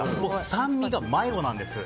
それが迷子なんですよ。